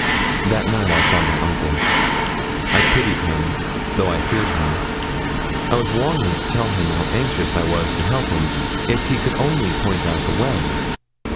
That night I saw my uncle. I pitied him, though I feared him. I was longing to tell him how anxious I was to help him, if only he could point out the way.